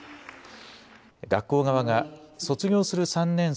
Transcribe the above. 学校側が卒業する３年生